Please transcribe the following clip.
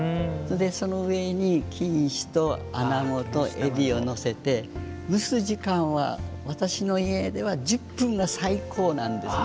その上に錦糸とアナゴとエビをのせて蒸す時間は私の家では１０分が最高なんですね。